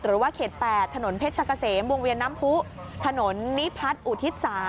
หรือว่าเขต๘ถนนเพชรกะเสมวงเวียนน้ำผู้ถนนนิพัฒน์อุทิศ๓